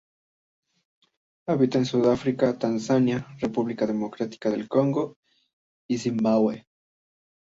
Habita en Sudáfrica, Tanzania, República Democrática del Congo y Zimbabue.